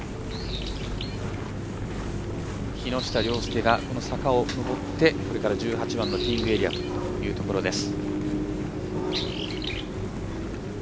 木下稜介が坂を上ってこれから１８番のティーイングエリアです。